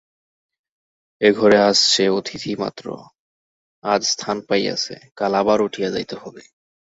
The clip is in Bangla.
এ ঘরে আজ সে অতিথিমাত্র–আজ স্থান পাইয়াছে, কাল আবার উঠিয়া যাইতে হইবে।